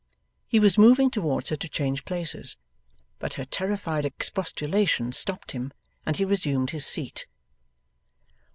He was moving towards her to change places, but her terrified expostulation stopped him and he resumed his seat.